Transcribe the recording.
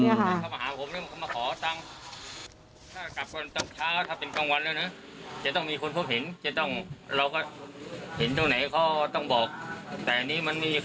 ไม่กลับไม่กลับทรีย์นี้